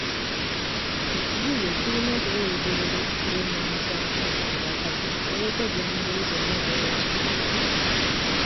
Ekiyiiye kirina okuba olugerero lw’ennwaano z’abasajja n’abakazi olw’okweggya mu ngeri zonna ez’obungigiriza.